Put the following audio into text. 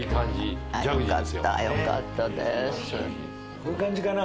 こういう感じかな？